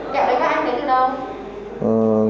kẹo đấy có ăn thì được không